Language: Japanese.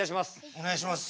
お願いします。